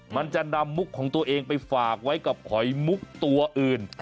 มันจะนำมุกของตัวเองไปฝากไว้กับหอยมุกตัวอื่น